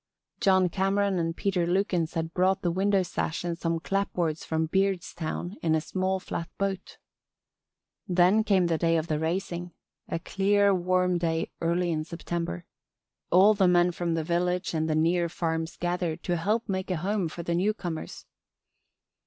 John Cameron and Peter Lukins had brought the window sash and some clapboards from Beardstown in a small flat boat. Then came the day of the raising a clear, warm day early in September. All the men from the village and the near farms gathered to help make a home for the newcomers.